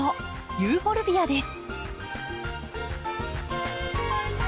ユーフォルビアです。